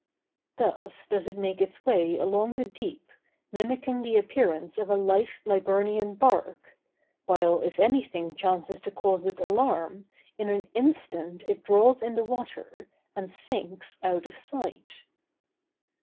Thus does it make its way along the deep, mimicking the appearance of a light Liburnian bark; while, if anything chances to cause it alarm, in an instant it draws in the water, and sinks out of sight.